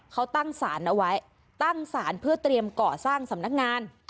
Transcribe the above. เขาตั้งสารเอาไว้ตั้งสารเพื่อเตรียมก่อสร้างสำนักงาน